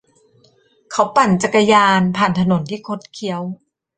เขาปั่นจักรยานผ่านถนนที่คดเคี้ยว